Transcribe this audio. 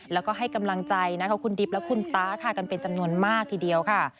แล้วก็ให้กำลังใจนะคะคุณดิบและคุณตาค่ะกันเป็นจำนวนมากทีเดียวค่ะ